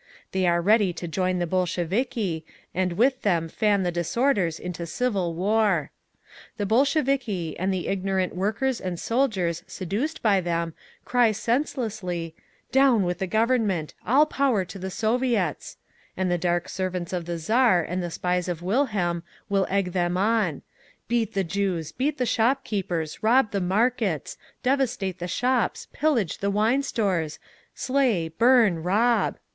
They are ready to join the Bolsheviki, and with them fan the disorders into civil war. "The Bolsheviki and the ignorant soldiers and workers seduced by them cry senselessly: 'Down with the Government! All power to the Soviets!' And the Dark servants of the Tsar and the spies of Wilhelm will egg the on; 'Beat the Jews, beat the shopkeepers, rob the markets, devastate the shops, pillage the wine stores! Slay, burn, rob!